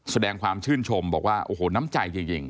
แสดงความชื่นชมบอกว่าโอ้โหน้ำใจจริง